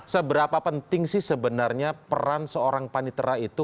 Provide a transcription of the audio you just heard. seberapa penting sih sebenarnya peran seorang panitera itu